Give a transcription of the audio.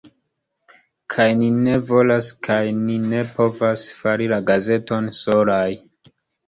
Kaj ni ne volas, kaj ne povas fari la gazeton solaj.